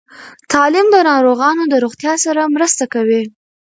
تعلیم د ناروغانو د روغتیا سره مرسته کوي.